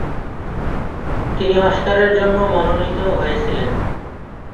তিনি অস্কারের জন্য মনোনীত হয়েছিলেন।